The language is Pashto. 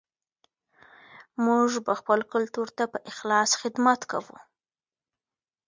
موږ به خپل کلتور ته په اخلاص خدمت کوو.